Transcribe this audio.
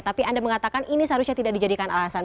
tapi anda mengatakan ini seharusnya tidak dijadikan alasan